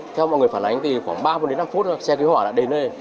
theo mọi người phản ánh thì khoảng ba mươi năm mươi phút xe cứu hỏa đã đến đây